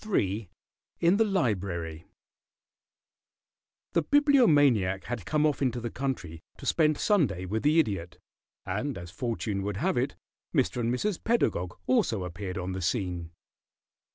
III IN THE LIBRARY The Bibliomaniac had come off into the country to spend Sunday with the Idiot, and, as fortune would have it, Mr. and Mrs. Pedagog also appeared on the scene.